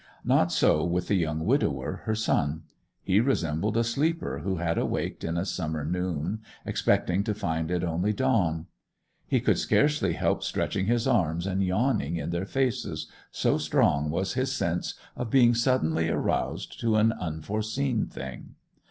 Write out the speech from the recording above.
Not so with the young widower, her son. He resembled a sleeper who had awaked in a summer noon expecting to find it only dawn. He could scarcely help stretching his arms and yawning in their faces, so strong was his sense of being suddenly aroused to an unforeseen thing.